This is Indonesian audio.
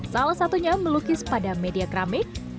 salah satunya melukis pada media keramik